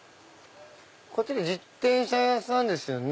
こっち自転車屋さんですよね？